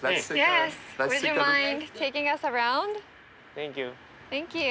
サンキュー。